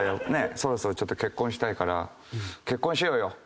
そろそろ結婚したいから結婚しようよ！